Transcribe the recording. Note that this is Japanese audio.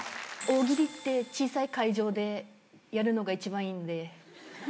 大喜利って小さい会場でやるのが一番いいんで。